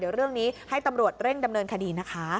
เดี๋ยวเรื่องนี้ให้ตำรวจเร่งดำเนินคดีนะคะ